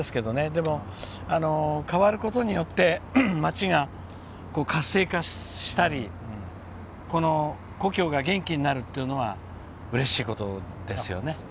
でも、変わることによって街が活性化したり故郷が元気になるっていうのはうれしいことですよね。